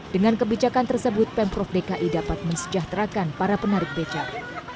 dengan kebijakan tersebut pemprov dki dapat mensejahterakan para penarik becak